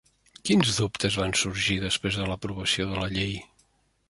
Quins dubtes van sorgir després de l'aprovació de la llei?